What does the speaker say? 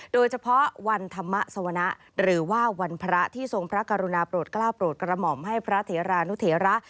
โดยเฉพาะวันธรรมสวนะหรือว่าวันพระที่ทรงพระกรุณาโปรดกล้าวโปรดกระหม่อมให้พระเทรานุเถระ